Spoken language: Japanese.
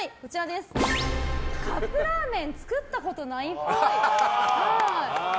カップラーメン作ったことないっぽい。